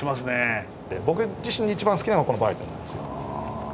僕自身一番好きなのがこのヴァイツェンなんですよ。